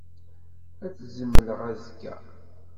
Ad t-zemleɣ azekka.